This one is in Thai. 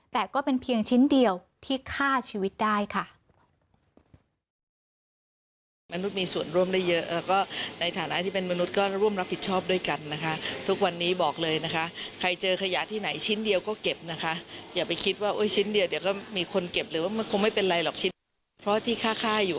แต่ก็เป็นเพียงชิ้นเดียวที่ฆ่าชีวิตได้ค่ะ